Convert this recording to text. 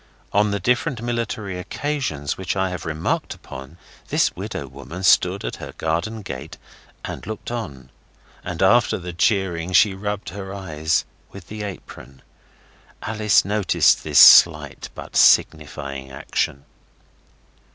On the different military occasions which I have remarked upon this widow woman stood at her garden gate and looked on. And after the cheering she rubbed her eyes with her apron. Alice noticed this slight but signifying action.